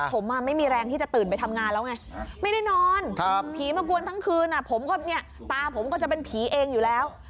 ผมไม่มีแรงที่จะตื่นไปทำงานแล้วไงไม่ได้นอนผีมากวนทั้งคืนผมก็เนี่ยตาผมก็จะเป็นผีเองอยู่แล้ว